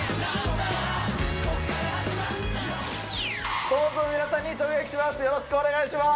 ＳｉｘＴＯＮＥＳの皆さんに直撃します。